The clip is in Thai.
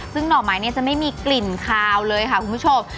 ซึ่งหน่อไม้เนี่ยจะไม่มีกลิ่นคาวเลยค่ะคุณผู้ชม